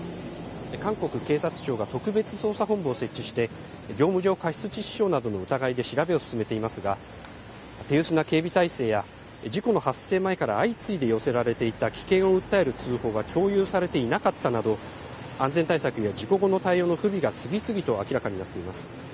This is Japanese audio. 韓国警察庁が特別捜査本部を設置して、業務上過失致死傷などの疑いで調べを進めていますが、手薄な警備態勢や、事故の発生前から相次いで寄せられていた危険を訴える通報が共有されていなかったなど、安全対策や事故後の対応の不備が次々と明らかになっています。